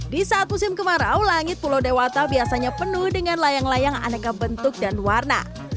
di saat musim kemarau langit pulau dewata biasanya penuh dengan layang layang aneka bentuk dan warna